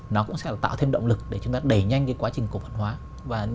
nó cũng sẽ tạo thêm động lực để chúng ta đẩy nhanh cái quá trình cổ phần hóa